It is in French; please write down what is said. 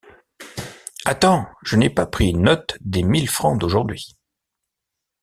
Attends, je n’ai pas pris note des mille francs d’aujourd’hui.